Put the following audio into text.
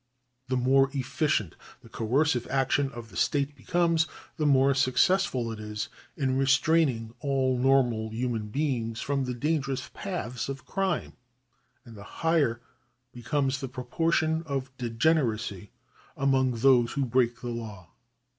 The more efficient the coercive action of the state becomes, the more successful it is in restraining all normal human beings from the dangerous paths of crime, and the higher becomes the proportion of degeneracy among those who break the law.